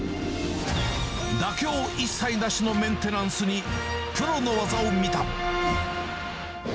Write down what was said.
妥協一切なしのメンテナンスにプロの技を見た。